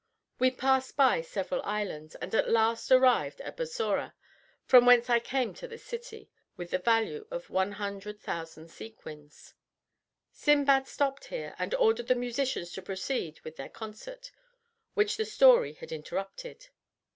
We passed by several islands, and at last arrived at Bussorah, from whence I came to this city, with the value of 100,000 sequins. Sindbad stopped here, and ordered the musicians to proceed with their concert, which the story had interrupted.